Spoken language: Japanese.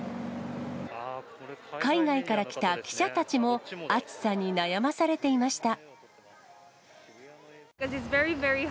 海外から来た記者たちも暑さに悩まされていました。